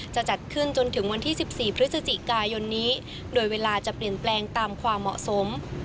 จะจัดขึ้นจนถึงวันที่๑๔พฤศจิกายนนี้โดยเวลาจะเปลี่ยนแปลงตามความเหมาะสม